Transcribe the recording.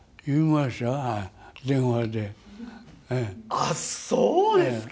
あっそうですか。